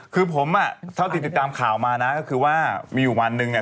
คือผมอ่ะเท่าที่ติดตามข่าวมานะก็คือว่ามีอยู่วันหนึ่งเนี่ย